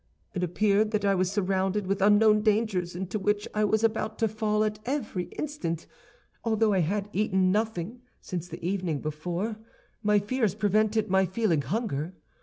It appeared that I was surrounded with unknown dangers into which I was about to fall at every instant. Although I had eaten nothing since the evening before, my fears prevented my feeling hunger.